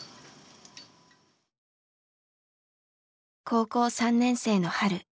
高校３年生の春。